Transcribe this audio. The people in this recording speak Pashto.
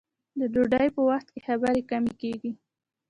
د ډوډۍ په وخت کې خبرې کمې کیږي.